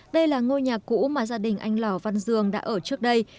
đây là ngôi nhà cũ mà gia đình anh lò văn dương đã ở trước đây